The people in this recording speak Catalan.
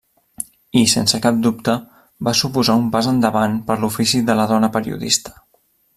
I, sense cap dubte, va suposar un pas endavant per l'ofici de la dona periodista.